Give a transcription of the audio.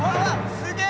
すげえ！